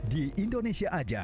di indonesia aja